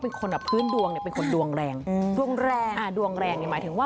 พื้นดวงให้เป็นคนดวงแลง